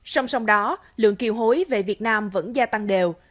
song song đó lượng kiều hối về việt nam vẫn gia tăng đều